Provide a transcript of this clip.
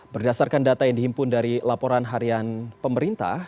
berdasarkan data yang dihimpun dari laporan harian pemerintah